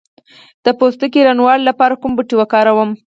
د پوستکي روڼوالي لپاره کوم بوټی وکاروم؟